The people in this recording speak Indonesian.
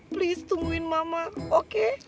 please tungguin mama oke